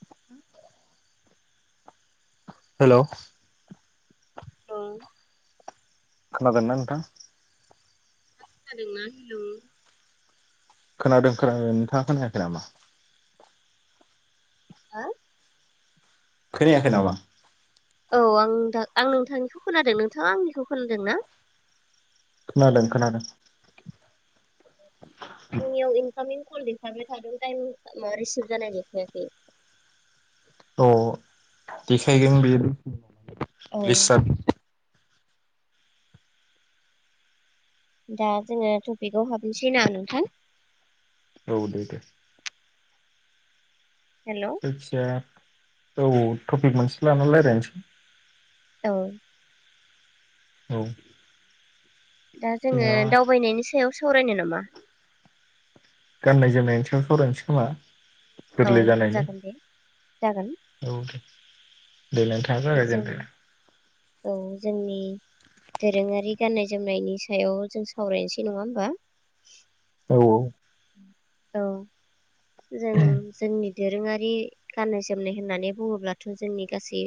[unintelligible] हेल' ओं खोनादोंना नोंथां? खोनादोंना हेल' खोनादों खोनादो नोंथां हा खोनायखै नामा? औ आं दा आं नोंथांनिखौ खोनादों नोंथा आंनिखौ खोनादों ना? खोनादों खोनादों आंनियाव इनकामिं कल देखाबाय थादों टाइम मा रिसिभ जानाय देखायाखै अ देखायगोन बि औ ग्लिस जादों दा जोङो टपिकआव हाबनोसै ना नोंथां? औ दे दे हेल' औ। आतसा औ टपिक मोनसे लाना रायज्लायनोसै औ औ दा जोङो जेनेबा दावबायनायनि सायाव सावरायनो नामा? गाननाय जोमनायनि साव सवरायसै खोमा? औ गोरलै जानायनि जागोन दे जागोन औ दे नोंथाङा जागाय जों जेनदो औ जोंनि दोरोङारि गाननाय जोमनायनि सायाव जों सावरायनोसै नङा होमबा? औ औ औ जों जोंनि दोरोङारि गाननाय जोमनाय होननानै बुङोब्लाथ' जोंनि गासै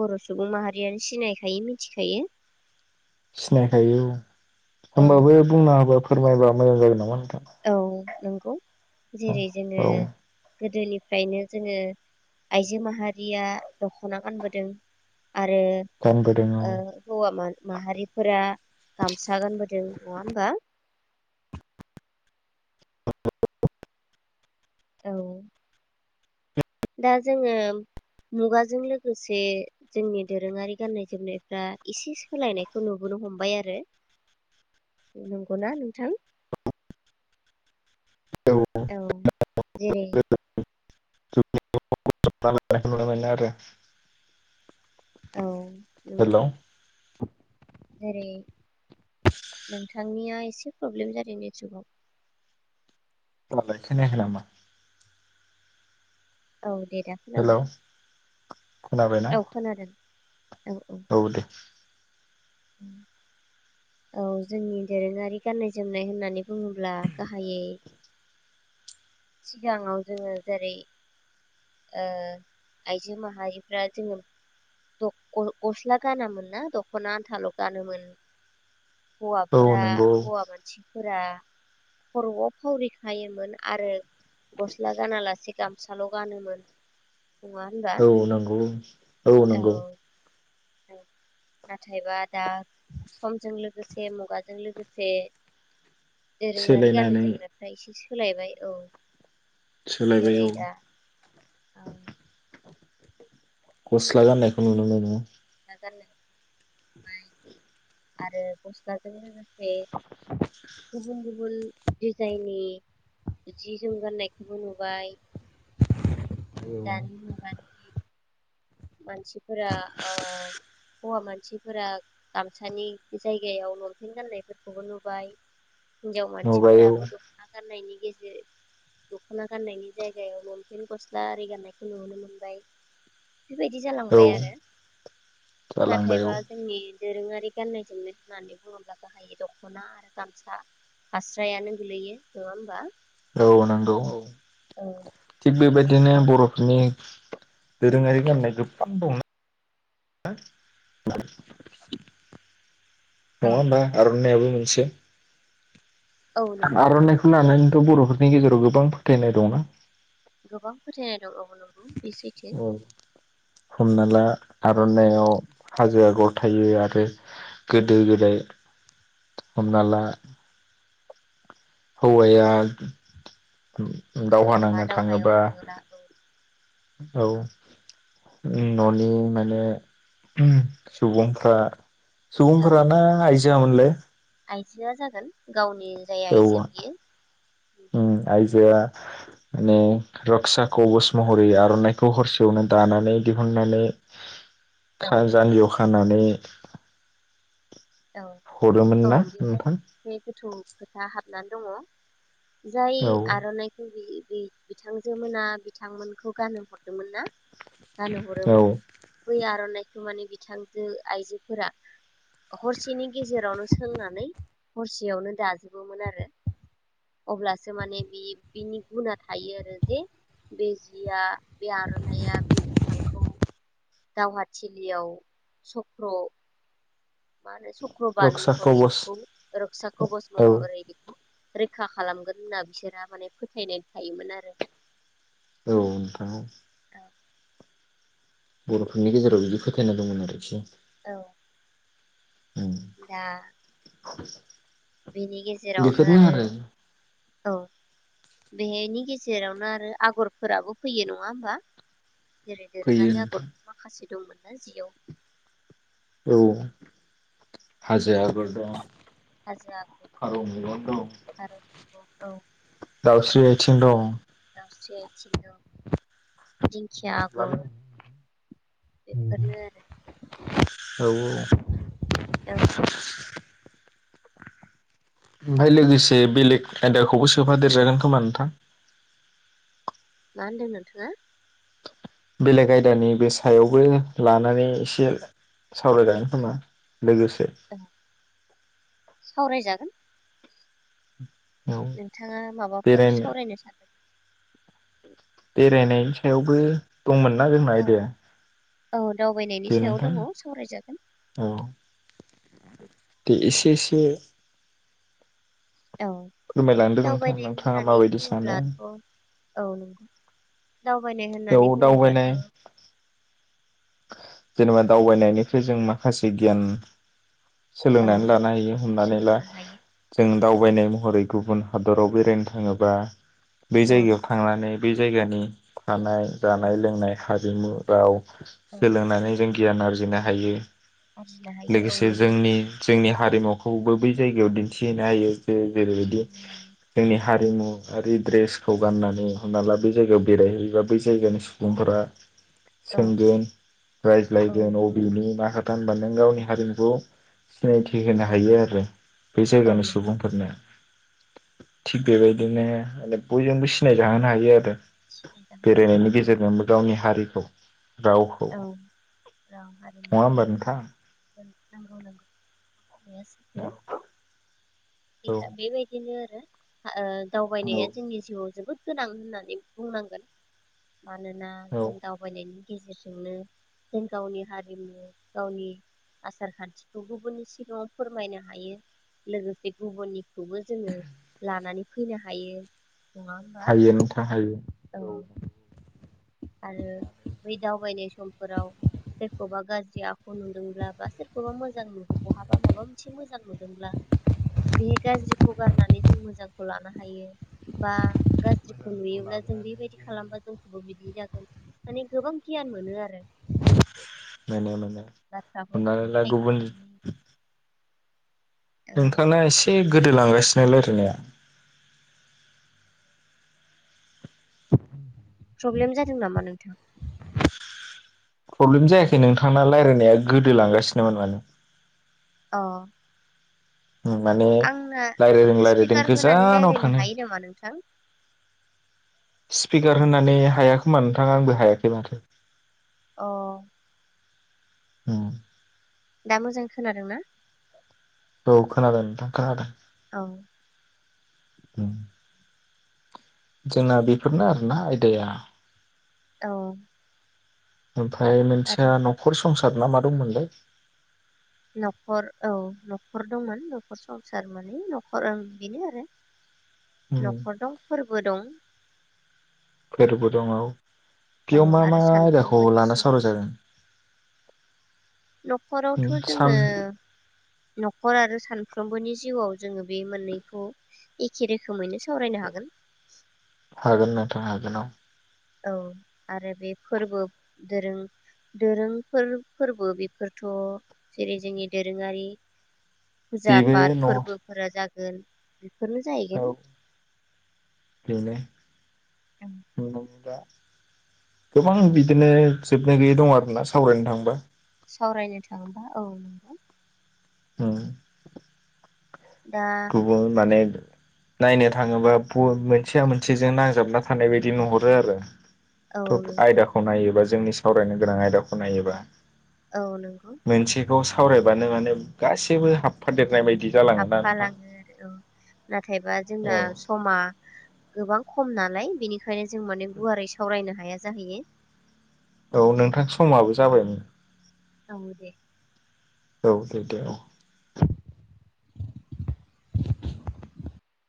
बर' सुबुं माहारियानो सिनायखायो मिथिखायो सिनायखायो औ औ होमबाबो बुंना हो फोरमायबा मोजां जागोन नामा नों [inaudible] नोंगौ। जेरै जोङो गोदोनिफ्रायनो जोङो आइजो माहारिया दखना गानबोदों आरो गानबोदों औ ओ हौवा मा-माहारिफोरा गामस सा गानबोदों नङा होमबा? औ दा जोङो मुगाजों लोगोसे जोंनि दोरोङारि गाननाय जोमनायफ्रा एसे सोलायनायखौ नुबोनो हमबाय आरो नंगौना नोंथां? औ जेरै [unintelligible] नुनो मोनो आरो औ नंगौ हेलौ जेरै नोंथांनिया एसे प्रब्लेम जादों नेट सुगाव। दालाय खोनायाखै नामा? औ दे। दा खोनाबाय हेलौ खोनाबायना औ खोनादों औ दे उम औ जोंनि दोरोङारि गाननाय जोमनाय होननानै बुङोब्ला गाहायै सिगाङाव जोङो जेरै ओ आइजो माहारिफ्रा जोङो द-ग-गस्ला गानामोनना दखना आनथाल गानोमोन औ हौवाफोरा नंगौ हौवा मानसि फोरा खरआव फावरिखायोमोन आरो गस्ला गाना लासे गामसाल गानोमोन नङा होनबा औ नांगौ औ औ नंगौ औ नाथायबा दा समजों लोगोसे मुगाजों लोगोसे दोरोङारि गाननाय सोलायनानै जोमनायफ्रा एसे सो सोलायबाय औ सोलायबाय जेरै औ दा औ गस्ला गाननायखौ नुनो‌ मोनो गानो ओमफ्राय आरो गस्लाजों लोगोसे से गुबुन गुबुन दिजाइननि जि जोम गाननायखौबो नुबाय औ दानि मुगानि मानसिफोरा ओ हौवा मानसिफोरा गामसानि जायगायाव लंपेन गाननायफोरखौबो नुबाय। हिनजाव नुबाय औ मानसिफोराबो दखना गाननायनि गेजे दखना गान्नायनि जायगायाव लंपेन गस दारि गाननायखौ नुनो मोनबाय। बिबायदि औ जालांबाय आरो जालांबाय औ नाथायबा जोंनि। दोरोङारि गान्नाय जोमनो होननानै बुङोब्ला गाहायै दखना आरो गामसा फास्रायानो गोलैयो नङा होमबा? औ नंगौ औ। औ थिग बेबायदिनो बेखायनो बर'फोरनि। दोरोङारि गाननाय जोमफाखौ [unintelligible] औ नङा होमबा आर'नाइयाबो? मिथिया। औ नंगौ आर'नाइखौ लानानै। थ बर'फोरनि गेजेराव गोबां फोथायनाय दंना? गोबां फोथायनाय दं औ नंगौ बि सैथो। औ हमना ला आर'नाइयाव हाजो आगर थायो आरो औ गोदो गोदाय हमना ला। हौवाया औ आवबा दावहायाव थाङोब्ला औ। औ उम न'नि माने उम सुबुंफ्रा। औ सुबुंफोराना आइज [unintelligible] आइजोआ जागोन गावनि नि जाय औ आइजो बियो। बेया माने रक्सा कवस महरै आर'नाइखौ हरसेयावनो दानानै दिहुननानै औ खारजानि अख खानानै। औ हरोमोन औ ना बेहाय नोंथां बे गोथौ खोथा हाब नानै दङ। जाय औ आर'नाइखौ बि। बि बिथांजो मोना बिथांमोनखौ गानहो हरदोंमोन ना? गानहो औ हरोमोन बै आर'नाइ। माने बिथांजो आइजोफोरा हरसेनि गेजेरावनो सोंनानै हरसेयावनो दाजोबोमोन आरो अब्लासो माने बे बिनि गुना थायो आरो जे बे जिया बे आर'नाइया बे बिफांखौ दावहाथिलियाव सक्र' मा होनो सक्रबान रक्सा महरै कवच बेखौ रोक्सा कबस औ महरै बेखौ रैखा खालामगोन होनना बिसोरहा माने फोथायनाय थायोमोन आरो औ नोंथां औ बर'फोरनि गेजेराव बिदि फोथायना दंमोन आरोखि औ दा [inaudible] बेनि गेजेरावनो आरो औ बेहायनि गेजेरावनो आरो आगरफोराबो फैयो नङा होमबा जेरै फैयो दोरोङारि आगर नोंथां माखासे दंमोन जियाव औ हाजो आगर दं हाजो आगर फारौ मेगन दं फारौ मेगन औ दावस्रि आयथिं दं से आथिं दं दिंखिया आगर बेफोरनो आरो औ औ औ [inaudible] ओमफाय लोगोसे बेलेग आयदाखौबो सोफा देरजागोन खोमा नोंथां मा होनदों नोंथाङा? बेलेग आयदानि बे सायावबो लानानै एसे सावरायजागोन खोमा लोगोसे औ सावरायजागोन [inaudible] नोंथाङा माबाफोर बेरायनो सावरायनो सानदों बेरायनायनि सायावबो दंमोन ना जोंना औ आयदाया औ दावबायनायनि दे सायाव नोंथां दङ सावरायजागोन औ से औ फोरमायलांदों नोंथां दावबायनाय नोंथाङा होननानै माबायदि सानो बुङोब्लाथ' औ नंगौ दावबायनाय बेयाव होननानै बुङोब्लाथ' दावबायनाय जेनेबा दावबायनायनिफ्राय जों माखासे गियान औ सोलोंनानै लानो हायो हमनानै ला सोलोंनो हायो जों नंगौ दावबायनाय महरै गुबुन हादराव बेरायनो थाङोबा बै औ जायगायाव थांनानै बे जायगानि थानाय औ जानाय लोंनाय हा रिमु, राव औ सोलोंनानै जों गियान आरजिनो हायो‌। आरजिनो हायो औ लोगोसे नंगौ जोंनि जोंनि हा हारिमुखौबो बै जायगायाव दिन्थिहैनो हायो। ओ जेरैबायदि मिथिहोनो हायो जोंनि हा हारिमुयारि द्रेसखौ गाननानै हमना ला बे जायगायाव बेरायहैयोबा बै जायगानि सुबुंफोरा औ सोंगोन औ रायज्लायगोन नंगौ अबिनि मा होनबा नों गावनि हारिमुखौ सिनायथि होनो औ हायो आरो बे औ जायगानि नंगौ सुबुंफोरनो। थिग औ बेबायदिनो बयजोंबो सिनायजाहोनो हायो आरो। सिनाय जाहोनो हायो बेरायनायनि औ गेजेरजोंबो गावनि हारि राव औ राव हारिमु होमबा नोंथां नोंगौ नोंगौ। बे सैथो औ इसा बेबायदिनो। आरो ओ दावबायनाया औ जोंनि जिउआव जोबोद गोनां होननानै बुंनांगोन। मानोना औ जों दावबायनायनि गेजेरजोंनो जों गावनि हारिमु गावनि आसार खान्थिखौ गुबुननि सिगाङाव फोरमायनो हायो लोगोसे गुबुननिखौबो जोङो लानानै फैनो हायो। हायो नोंथां हायो। औ औ आरो बै दावबायनाय समफोराव सोरखौबा गाज्रि आखु नुदोंब्ला बा सोरखौबा मोजां नु बहाबा माबा मोनसे मोजां नुदोंब्ला बे गाज्रिखौ गारनानै जों मोजांखौ लानो हायो बा गाज्रि खौ नुयोब्ला जों बेबायदि खालामबा जोंखौबो बिदि जा माने गोबां गियान मोनो आरो बे मोनो मोनो हमनानै बाथ्राफोरखौ ला गुबुन सायख'नानै औ नोंथांना एसे गोदोलांगासिनो रायलायनाया [inaudible] प्रब्लेम जादों नामा नोंथां प्रब्लेम जायाखै नोंथांना रायलायनाया गोदोलांगासिनोमोन माने अ ओम माने आंना रायलायदों रायलायदों स्पिकार होनानै गोजानाव रायज्लायनो थानो स हायो नामा नोंथां स्पिकार होननानै हाया खोमा नोंथाआ आंबो हायाखै माथो औ [inaudible] दा मोजां खोनादोंना औ खोनादों नोंथां खोनादों औ उम जोंना बेफोरनो आरोना आयदाया औ ओमफ्राय आरो मोनसेया नखर स संसार ना मा दंमोनलाय नखर औ नखर दंमोन नखर संसार माने नखर बेनो आरो उम नखर दं फोरबो दं फोरबो दं औ औ गेव मा मा आरो आयदाखौ सानफ्रोमबोनि लाना जिउ सावराय जागोन नखरावथ उम सान जोङो नखर आरो सानफ्रोमबोनि जिउआव जोङो बे मोननैखौ एखे रोखोमैनो सावरायनो हागोन हागोन नोंथां हागोन औ औ आरो बे फोरबो दोरों-दोरोंफोर फोरबो बेफोरथ जेरै जोंनि दोरोङारि फुजा बेबो पात न' फोरबोफोरा जाग गोन औ बेनो [unintelligible] गोबां बिदिनो जोबनो गैयै दं आरोना सावरायनो थांबा सावरायनो थाङोबा औ नंगौ औ दा गुबुन माने नायनो थाङोबा बु मोनसेया मोनसेजों नांजाबना थानाय बायदि नुहरो आरो। औ थब नंगौ आयदाखौ नायोबा जो जोंनि सावरायनो गोनां आयदाखौ नायोबा औ नोंगौ। बेखौ सावरायबानो माने गासिबो हाबफादेरनाय बायदि बिदि जालाङोना नोंथां? हाबफालाङो औ नाथायबा जोंना औ समा गोबां खम नालाय बेनिखायनो जों माने गुवारै सावरायनो हाया जाहैयो। औ नोंथां समाबो जाबायमोन। औ दे। औ दे दे औ।